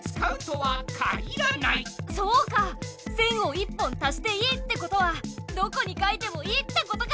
線を１本足していいってことはどこに書いてもいいってことか！